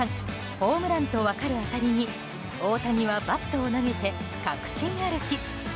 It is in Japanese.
ホームランと分かる当たりに大谷はバットを投げて確信歩き。